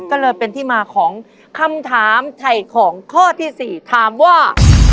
ก็เลยเป็นที่มาของคำถามไถ่ของข้อที่๔ถามว่า